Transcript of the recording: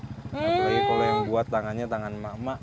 apalagi kalau yang buat tangannya tangan emak emak